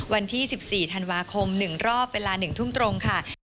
วันที่๑๔ธันวาคม๑รอบเปล่า๐๑๐๐ตรง